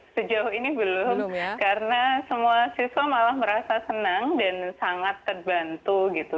sejauh ini belum karena semua siswa malah merasa senang dan sangat terbantu gitu